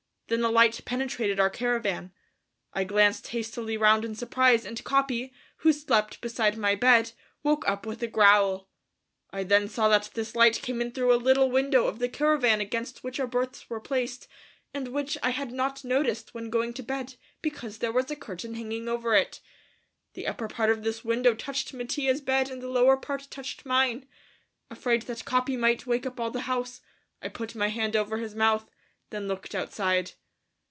Then a light penetrated our caravan. I glanced hastily round in surprise and Capi, who slept beside my bed, woke up with a growl. I then saw that this light came in through a little window of the caravan against which our berths were placed, and which I had not noticed when going to bed because there was a curtain hanging over it. The upper part of this window touched Mattia's bed and the lower part touched mine. Afraid that Capi might wake up all the house, I put my hand over his mouth, then looked outside.